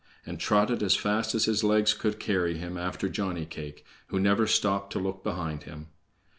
and trotted as fast as his legs could carry him after Johnny cake, who never stopped to look behind him.